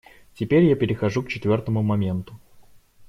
Теперь я перехожу к четвертому моменту.